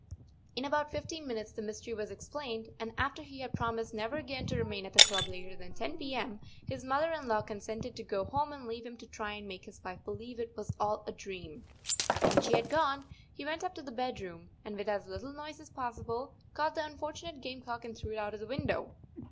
In about fifteen minutes the mystery was explained, and after he had promised never again to remain at the club later than ten p. m., his mother in law con¬ sented to go home and leave him to try and make his wife believe it w r as all a dream. When she had gone he went up to the bed room, and, with as little noise as possible, caught the un¬ fortunate game cock and threw it out of the window.